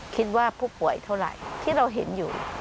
คิดว่าผู้ป่วยเท่าไหร่ที่เราเห็นอยู่